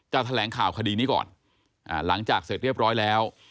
แถลงข่าวคดีนี้ก่อนหลังจากเสร็จเรียบร้อยแล้ว